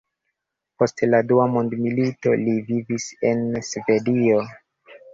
Post la dua mondmilito li vivis en Svedio.